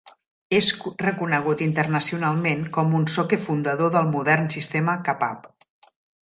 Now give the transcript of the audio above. És reconegut internacionalment com un Soke-fundador del modern sistema Kapap.